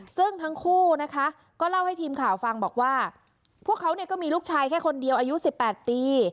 ซึ่งทั้งคู่นะคะก็เล่าให้ทีมข่าวฟังบอกว่าพวกเขาก็มีลูกชายแค่คนเดียวอายุ๑๘ปี